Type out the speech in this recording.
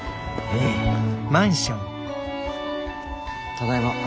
ただいま。